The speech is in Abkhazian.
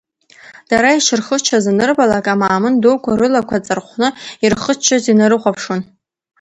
Дара ишырхыччоз анырбалак, амаамын дуқәа рылақәа ҵархәны, ирхыччоз инарыхәаԥшуан.